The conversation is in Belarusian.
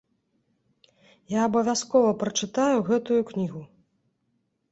Я абавязкова прачытаю гэтую кнігу.